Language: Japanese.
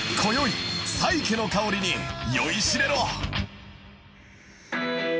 今宵サイケの香りに酔いしれろ！